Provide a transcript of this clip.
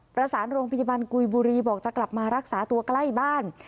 ประสานโรงพยาบาลกุยบุรีบอกจะกลับมารักษาตัวใกล้บ้าน